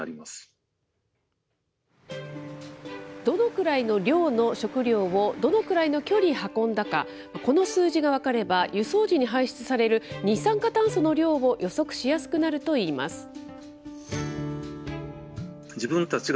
どのくらいの量の食料をどのくらいの距離運んだか、この数字が分かれば、輸送時に排出される二酸化炭素の量を予測しやすくなるといいます。